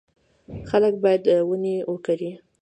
خلک باید ونې وکري.